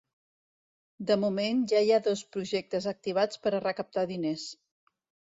De moment, ja hi ha dos projectes activats per a recaptar diners.